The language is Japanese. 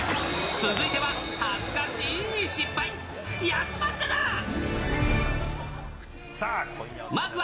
続いては、恥ずかしい失敗、さあ、今夜は。